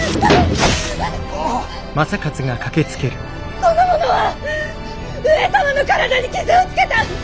この者は上様の体に傷をつけた！